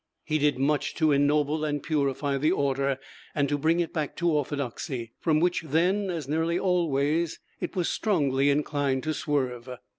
He did much to ennoble and purify the order, and to bring it back to orthodoxy, from which then, as nearly always, it was strongly inclined to swerve.